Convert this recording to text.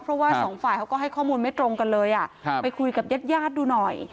เพราะว่าสองฝ่ายเขาก็ให้ข้อมูลไม่ตรงกันเลยไปคุยกับญาติญาติดูหน่อย